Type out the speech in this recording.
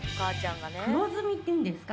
黒ずみっていうんですか？